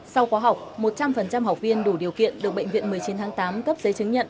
sau khóa học một trăm linh học viên đủ điều kiện được bệnh viện một mươi chín tháng tám cấp giấy chứng nhận